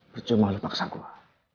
percuma lu paksa gua